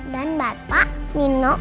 dan bapak nino